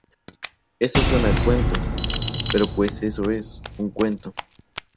Esto suena a cuento, pero pues eso es: un cuento.